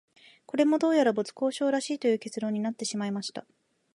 これも、どうやら没交渉らしいという結論になってしまいました